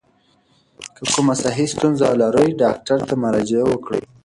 که کومه صحي ستونزه لرئ، ډاکټر ته مراجعه وکړئ.